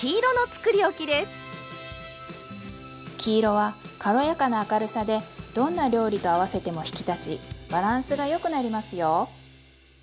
黄色は軽やかな明るさでどんな料理と合わせても引き立ちバランスがよくなりますよ。